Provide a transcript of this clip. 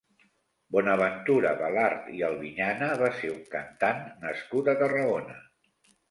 Bonaventura Belart i Albiñana va ser un cantant nascut a Tarragona.